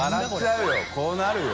こうなるよ。